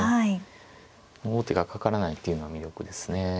王手がかからないっていうのは魅力ですね。